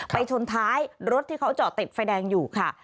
ชนท้ายรถที่เขาจอดติดไฟแดงอยู่ค่ะ